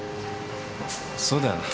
そうだよな。